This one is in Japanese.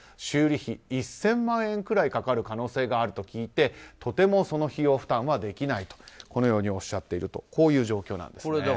修理費１０００万円くらいかかる可能性があると聞いてとてもその費用負担はできないとおっしゃっているという状況なんですね。